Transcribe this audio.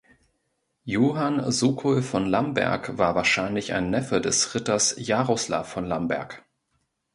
Johann Sokol von Lamberg war wahrscheinlich ein Neffe des Ritters Jaroslav von Lamberg.